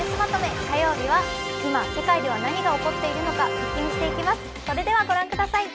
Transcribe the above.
火曜日は今、世界では何が起こっているのか一気見していきます。